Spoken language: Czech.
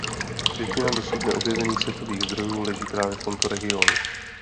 Pětina dosud neobjevených světových zdrojů leží právě v tomto regionu.